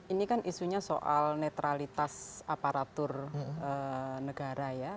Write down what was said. ini kan isunya soal netralitas aparatur negara ya